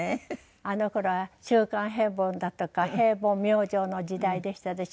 あの頃は『週刊平凡』だとか『平凡』『明星』の時代でしたでしょ。